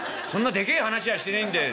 でけえ話はしてねえんだよ。